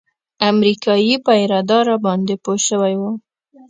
امريکايي پيره دار راباندې پوه سوى و.